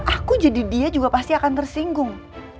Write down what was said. aku jadi dia juga pasti akan tersinggung